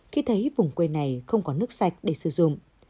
khi thấy vùng quê này không có nước sạch để sử dụng